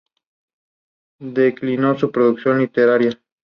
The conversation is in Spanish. Declinó su producción literaria.